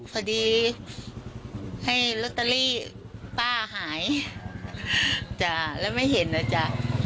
พอดีให้ลอตเตอรี่ป้าหายจ้ะแล้วไม่เห็นนะจ๊ะ